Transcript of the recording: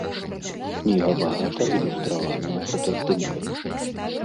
Кніга багата ілюстраваная фотаздымкамі.